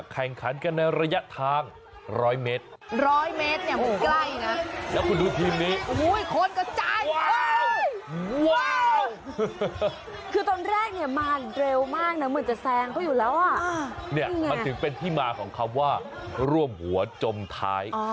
แข่งขันกันในระยะทางร้อยเมตรร้อยเมตรเนี่ยมันใกล้นะ